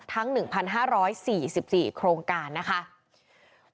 ทั้ง๑๕๔๔โครงการนะคะ